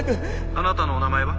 あなたの名前は？